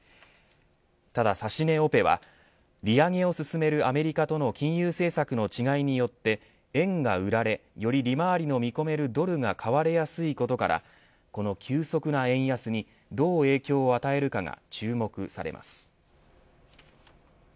ただ、指値オペは利上げを進めるアメリカとの金融政策の違いによって円が売られ、より利回りの見込めるドルが買われやすいことからこの急速な円安にどう影響を与えるかが注目されます。